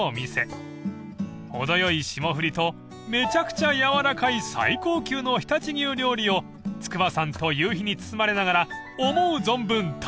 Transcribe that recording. ［程よい霜降りとめちゃくちゃ軟らかい最高級の常陸牛料理を筑波山と夕日に包まれながら思う存分楽しみましょう］